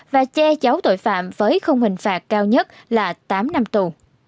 và che cháu tội phạm với khung hình phạt cao nhất là tám năm tù